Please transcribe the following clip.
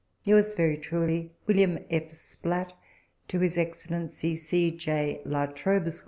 Yours very truly, WM. F. SPLATT. To His Excellency C. J. La Trobe, Esq.